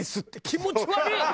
気持ち悪っ！」